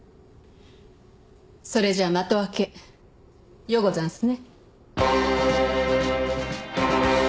それじゃ的分けよござんすね？